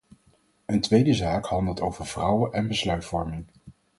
Een tweede zaak handelt over vrouwen en besluitvorming.